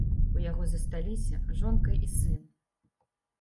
У яго засталіся жонка і сын.